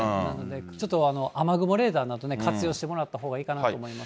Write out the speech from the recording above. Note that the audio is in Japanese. ちょっと雨雲レーダーなど活用してもらったほうがいいかなと思います。